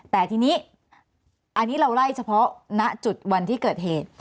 แต่ทีนี้อันนี้เราไล่เฉพาะณจุดวันที่เกิดเหตุ